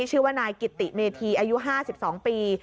ชื่อว่านายกิติเมธีอายุ๕๒ปี